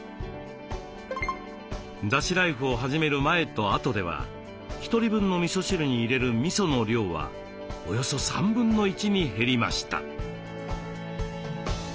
だしライフを始める前と後では１人分のみそ汁に入れるみその量はおよそ1/3に減りました。